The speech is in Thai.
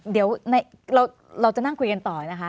เดี๋ยวเราจะนั่งคุยกันต่อนะคะ